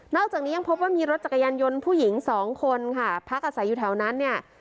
อกจากนี้ยังพบว่ามีรถจักรยานยนต์ผู้หญิงสองคนค่ะพักอาศัยอยู่แถวนั้นเนี่ย